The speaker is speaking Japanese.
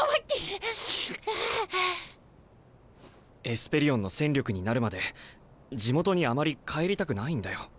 エスペリオンの戦力になるまで地元にあまり帰りたくないんだよ。